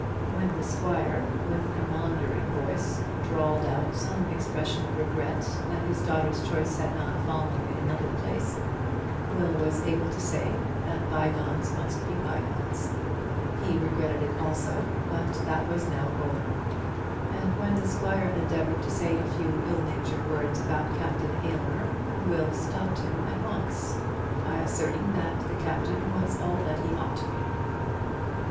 When the squire, with a maundering voice, drawled out some expression of regret that his daughter's choice had not fallen in another place, Will was able to say that bygones must be bygones. He regretted it also, but that was now over. And when the squire endeavoured to say a few ill natured words about Captain Aylmer, Will stopped him at once by asserting that the Captain was all that he ought to be.